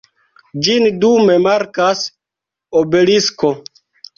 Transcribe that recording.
Ĝin dume markas obelisko.